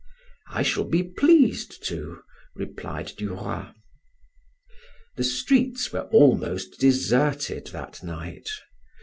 "I shall be pleased to," replied Duroy. The streets were almost deserted that night.